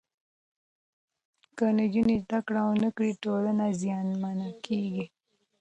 که نجونې زدهکړه ونکړي، ټولنه زیانمنه کېږي.